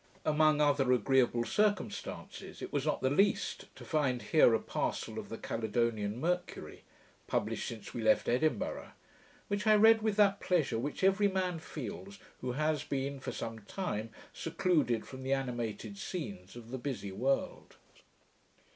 Among other agreeable circumstances, it was not the least, to find here a parcel of the Caledonian Mercury, published since we left Edinburgh; which I read with that pleasure which every man feels who has been for some time secluded from the animated scenes of the busy world.